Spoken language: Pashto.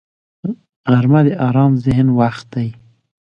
غرمه د آرام ذهن وخت دی